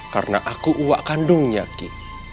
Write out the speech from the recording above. karena aku uak kandungnya ki